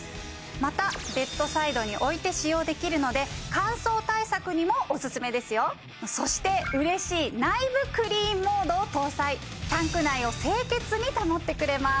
またベッドサイドに置いて使用できるので乾燥対策にもオススメですよそして嬉しい内部クリーンモードを搭載タンク内を清潔に保ってくれます